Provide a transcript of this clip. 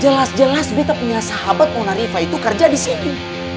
jelas jelas kita punya sahabat mona riva itu kerja di sini